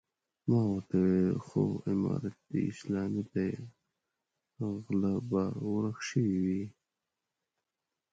ما ورته وويل خو امارت اسلامي دی غله به ورک شوي وي.